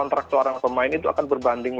ketika mereka nanti akan mau main lagi